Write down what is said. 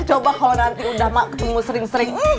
coba kalau nanti udah ketemu sering sering